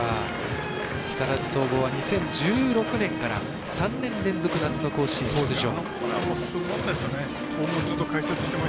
木更津総合は２０１６年から３年連続夏の甲子園に出場。